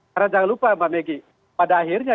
karena jangan lupa mbak megi pada akhirnya